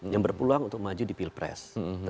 yang berpeluang untuk maju di pilpres